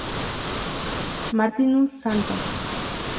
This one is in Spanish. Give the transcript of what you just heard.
Martinus, St.